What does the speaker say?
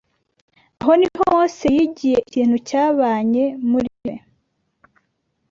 Aho ni ho Mose yigiye ikintu cyabanye muri we